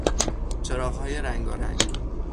چراغهای رنگارنگ